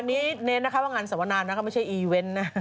อันนี้เน้นนะคะว่างานสวนานะคะไม่ใช่อีเวนต์นะ